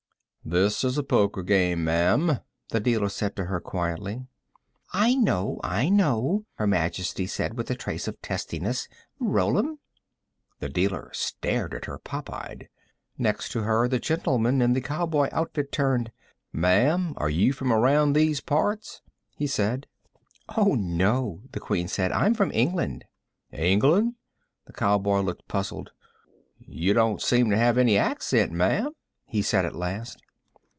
"This is a poker game, ma'am," the dealer said to her, quietly. "I know, I know," Her Majesty said with a trace of testiness. "Roll 'em." The dealer stared at her popeyed. Next to her, the gentleman in the cowboy outfit turned. "Ma'am, are you from around these parts?" he said. "Oh, no," the Queen said. "I'm from England." "England?" The cowboy looked puzzled. "You don't seem to have any accent, ma'am," he said at last.